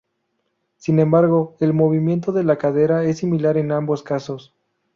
Sin embargo el movimiento de la cadera es similar en ambos casos.